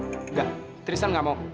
enggak tristan enggak mau